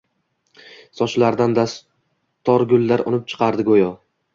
Sochlaridan dastorgullar unib chiqardi go’yo.